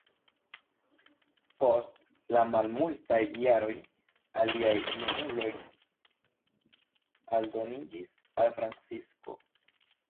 Post malmultaj jaroj, aliaj junuloj aldoniĝis al Francisko.